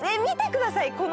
見てください！